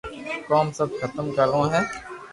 ڪوم سب ختم ڪروہ ھي